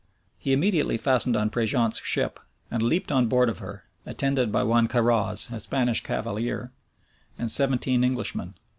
He immediately fastened on Prejeant's ship, and leaped on board of her, attended by one Carroz, a Spanish cavalier, and seventeen Englishmen.